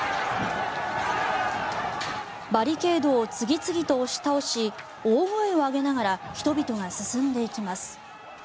バリケードを次々と押し倒し大声を上げながら人々が進んでいきます。